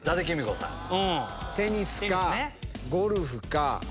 テニスかゴルフか。